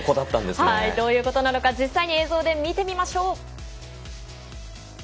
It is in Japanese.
どういうことなのか実際に映像で見てみましょう。